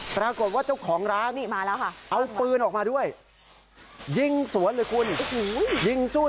ปรากฏว่าเจ้าของร้านเอาปืนออกมาด้วยยิงสวนเลยคุณยิงสู้